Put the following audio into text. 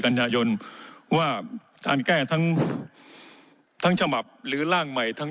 กันยายนว่าการแก้ทั้งทั้งฉบับหรือร่างใหม่ทั้ง